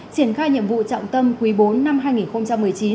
triển khai nhiệm vụ trọng tâm quý bốn năm hai nghìn một mươi chín